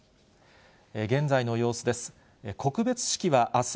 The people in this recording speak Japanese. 現在の様子です。